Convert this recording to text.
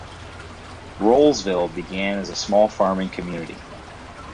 Rolesville began as a small farming community.